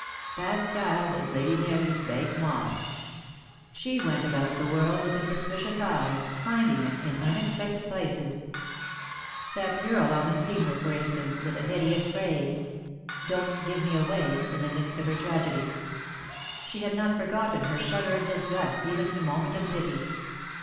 Bad style was Lady Mary's bite noire. She went about the world with a suspicious eye, finding it in unexpected places. That girl on the steamer, for instance, with the hideous phrase: "Don't give me away," in the midst of her tragedy. She had never forgotten her shudder of disgust even in a moment of pity.